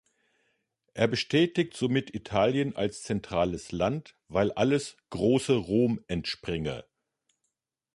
Er bestätigt somit Italien als zentrales Land, weil alles Große Rom entspringe.